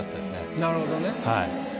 なるほどね。